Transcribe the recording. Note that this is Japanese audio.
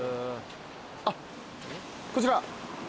あっこちら。